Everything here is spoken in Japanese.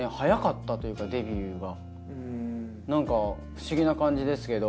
なんか不思議な感じですけど。